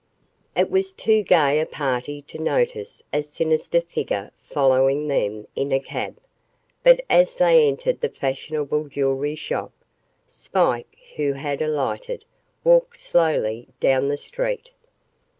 It was too gay a party to notice a sinister figure following them in a cab. But as they entered the fashionable jewelry shop, Spike, who had alighted, walked slowly down the street.